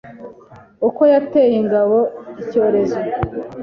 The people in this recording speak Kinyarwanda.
kuko yateye ingabo icyorezo.